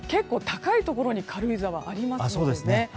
高いところに軽井沢ありますよね。